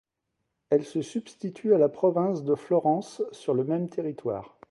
Elle se substitue à la province de Florence sur le même territoire.